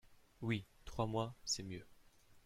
Oui, trois mois, c’est mieux.